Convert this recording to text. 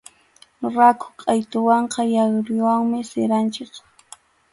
Rakhu qʼaytuwanqa yawriwanmi siranchik.